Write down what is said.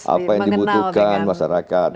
apa yang dibutuhkan masyarakat